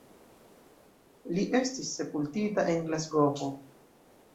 Li estis sepultita en Glasgovo.